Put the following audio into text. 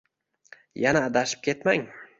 Yana adashib ketmang